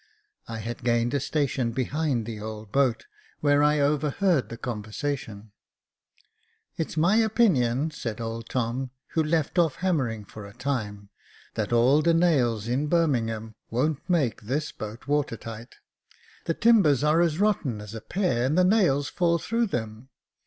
I had gained a station behind the old boat, where I overheard the conversation. " It's my opinion," said old Tom, who left off hammering for a time, " that all the nails in Birmingham won't make this boat water tight. The timbers are as rotten as a pear, and the nails fall through them.